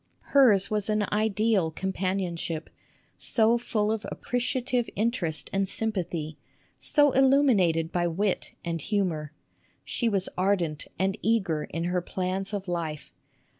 Hers was an ideal companionship, so full of appreciative interest and sym pathy, so illuminated by wit and humor. She was SUSAN COOLIDGE xv ardent and eager in her plans of life.